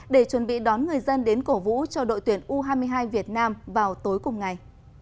để chuẩn bị đón người dân đến cổ vũ cho đội tuyển u hai mươi hai việt nam vào tối cùng ngày